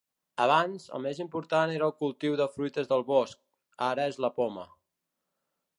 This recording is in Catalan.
Abans, el més important era el cultiu de fruites del bosc; ara és la poma.